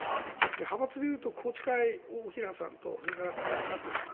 派閥でいうと宏池会大平さんと田中角栄さん。